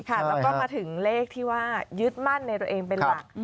แล้วก็มาถึงเลขที่ว่ายึดมั่นในตัวเองเป็นหลัก